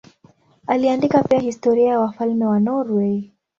Aliandika pia historia ya wafalme wa Norwei.